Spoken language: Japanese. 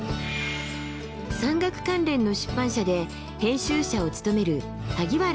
山岳関連の出版社で編集者を務める萩原浩司さん。